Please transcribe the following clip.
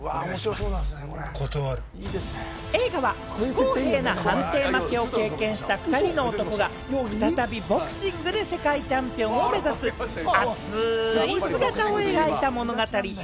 映画は不公平な判定負けを経験した２人の男が再びボクシングで世界チャンピオンを目指す熱い姿を描いた物語。